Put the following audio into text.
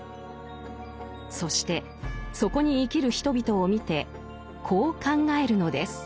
そしてそこに生きる人々を見てこう考えるのです。